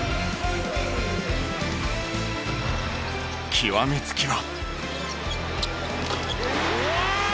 極め付きは。